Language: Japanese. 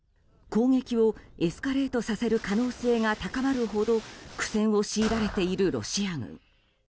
攻撃をエスカレートさせる可能性が高まるほど苦戦を強いられているロシア軍。